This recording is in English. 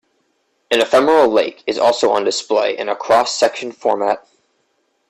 An ephemeral lake is also on display in a cross section format.